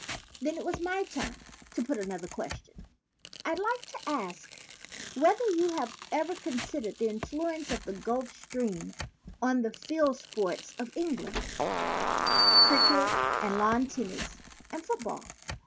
Then it was my turn to put another question. "I'd like to ask whether you have ever con sidered the influence of the Gulf Stream on the field sports of England, cricket and lawn tennis and football?